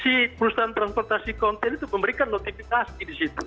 si perusahaan transportasi konten itu memberikan notifikasi di situ